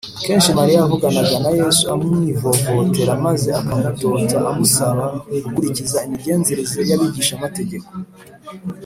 Kenshi Mariya yavuganaga na Yesu amwivovotera, maze akamutota amusaba gukurikiza imigenzereze y’Abigishamategeko